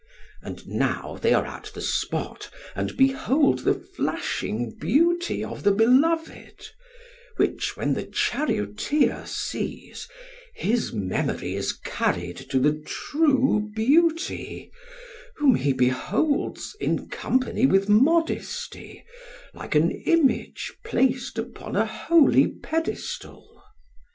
And now they are at the spot and behold the flashing beauty of the beloved; which when the charioteer sees, his memory is carried to the true beauty, whom he beholds in company with Modesty like an image placed upon a holy pedestal.